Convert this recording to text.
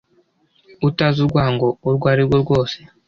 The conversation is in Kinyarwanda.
Utazi urwango urwo ari rwo rwose